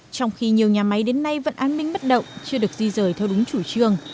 trong khi nhiều nhà máy đến nay vẫn an minh bất động chưa được di rời theo đúng chủ trương